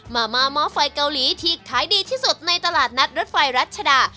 มาม่าหม้อไฟเกาหลีที่ขายดีที่สุดในตลาดนัดรถไฟรัชดา